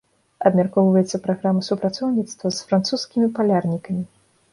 Абмяркоўваецца праграма супрацоўніцтва з французскімі палярнікамі.